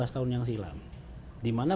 lima belas tahun yang silam dimana